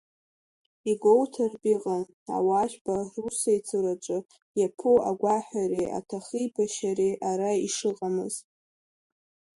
Игәоуҭартә иҟан, ауаажәпа русеицураҿы иаԥу агәаҳәареи аҭахибашьареи ара ишыҟамыз.